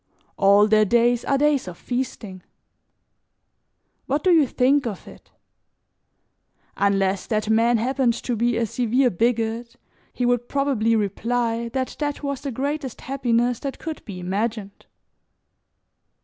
All their days are days of feasting.' What do you think of it? Unless that man happened to be a severe bigot he would probably reply that that was the greatest happiness that could be imagined.